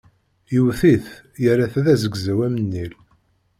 Yewwet-it, yerra-t d azegzaw am nnil.